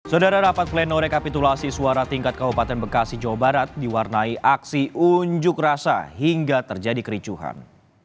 saudara rapat pleno rekapitulasi suara tingkat kabupaten bekasi jawa barat diwarnai aksi unjuk rasa hingga terjadi kericuhan